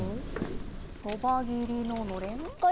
そばぎりののれん。